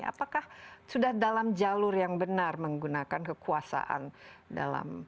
apakah sudah dalam jalur yang benar menggunakan kekuasaan dalam